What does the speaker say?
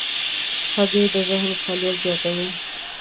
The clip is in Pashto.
هګۍ د ذهن فعالیت زیاتوي.